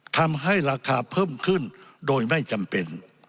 ทำให้ราคาเพิ่มขึ้นโดยไม่จำเป็น